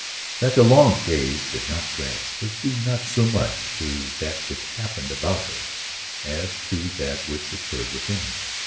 That the long days did not drag was due not so much to that which happened about her, as to that which occurred within her.